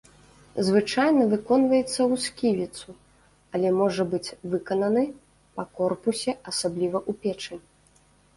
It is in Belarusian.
Звычайна выконваецца ў сківіцу, але можа быць выкананы па корпусе, асабліва ў печань.